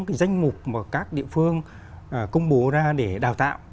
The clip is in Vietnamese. cái danh mục mà các địa phương công bố ra để đào tạo